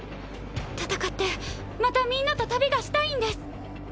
戦ってまたみんなと旅がしたいんです。